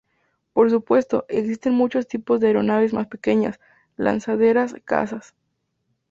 Por supuesto, existen muchos tipos de aeronaves más pequeñas, lanzaderas, cazas...